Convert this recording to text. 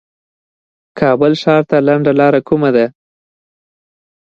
کابل ښار ته لنډه لار کومه ده